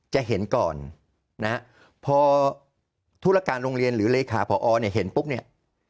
จะเห็นก่อนนะฮะพอธุรการโรงเรียนหรือเลขาพอเนี่ยเห็นปุ๊บเนี่ย